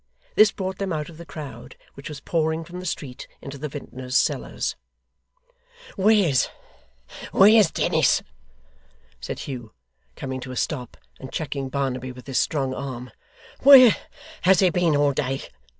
This brought them out of the crowd, which was pouring from the street into the vintner's cellars. 'Where's where's Dennis?' said Hugh, coming to a stop, and checking Barnaby with his strong arm. 'Where has he been all day?